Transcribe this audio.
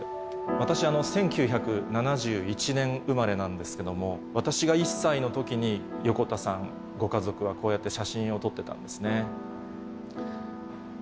私、１９７１年生まれなんですけども、私が１歳のときに、横田さんご家族は、こうやって写真を撮ってたんですね。